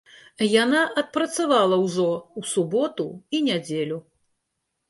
Яна адпрацавала ўжо ў суботу і нядзелю.